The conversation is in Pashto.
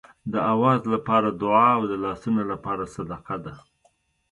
د آواز لپاره دعا او د لاسونو لپاره صدقه ده.